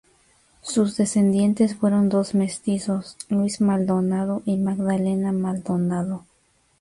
Sus descendientes fueron dos mestizos: Luis Maldonado y Magdalena Maldonado.